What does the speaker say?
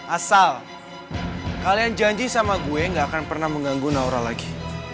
asal kalian janji sama gue gak akan pernah mengganggu naura lagi